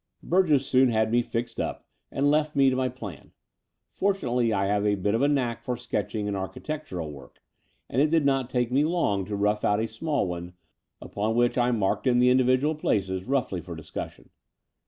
Burgess soon had me fixed up and left me to my plan. Fortunately I have a bit of a knack for sketching and architectural work; and it did not take me long to rough out a small one, upon which I marked in the individual places roughly for discussion.